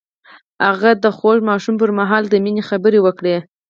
هغه د خوږ ماښام پر مهال د مینې خبرې وکړې.